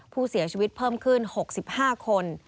ผู้เสียชีวิตเพิ่มขึ้น๖๕คน